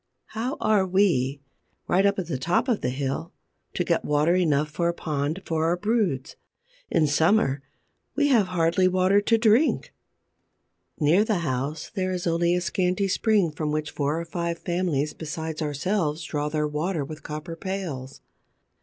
How are we, right up at the top of the hill, to get water enough for a pond for our broods? In summer, we have hardly water to drink! Near the house there is only a scanty spring from which four or five families besides ourselves draw their water with copper pails.